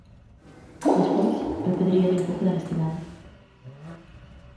Despois, eu pediríalle un pouco de honestidade.